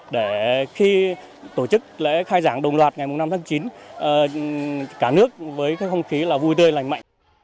để khi tổ chức lễ khai giảng đồng loạt ngày năm tháng chín cả nước với cái không khí là vui tươi lành mạnh